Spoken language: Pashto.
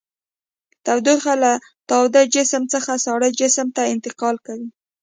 تودوخه له تاوده جسم څخه ساړه جسم ته انتقال کوي.